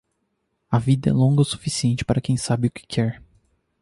A vida é longa o suficiente para quem sabe o que quer